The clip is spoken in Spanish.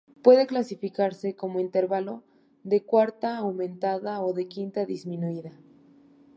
Puede clasificarse como intervalo de cuarta aumentada o de quinta disminuida.